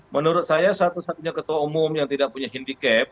menurut saya satu satunya ketua umum yang tidak punya handicap